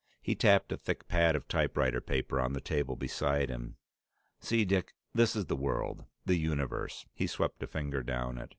He tapped a thick pad of typewriter paper on the table beside him. "See, Dick, this is the world, the universe." He swept a finger down it.